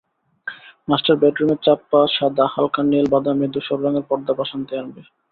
Master বেডরুমে চাঁপা সাদা, হালকা নীল, বাদামি, ধূসর রঙের পর্দা প্রশান্তি আনবে।